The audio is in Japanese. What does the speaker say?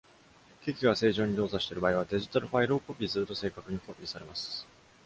機器が正常に動作している場合は、デジタルファイルをコピーすると正確にコピーされます。